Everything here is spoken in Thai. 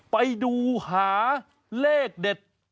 ไปดูหาเลขเด็ด